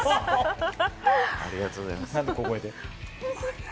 ありがとうございます。